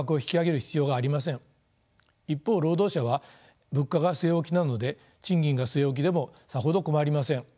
一方労働者は物価が据え置きなので賃金が据え置きでもさほど困りません。